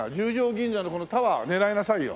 銀座のこのタワー狙いなさいよ。